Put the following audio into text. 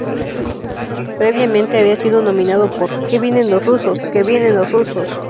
Previamente había sido nominado por "¡Que vienen los rusos, que vienen los rusos!